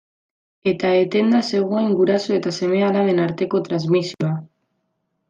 Eta etenda zegoen guraso eta seme-alaben arteko transmisioa.